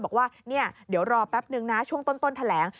บอกว่าเนี่ยเดี๋ยวรอแป๊บนึงนะช่วงต้นแถลง